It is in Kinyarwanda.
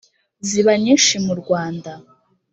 ziba nyinshi mu rwanda,